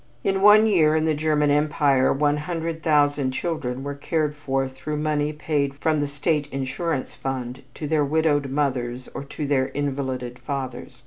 In one year in the German Empire one hundred thousand children were cared for through money paid from the State Insurance fund to their widowed mothers or to their invalided fathers.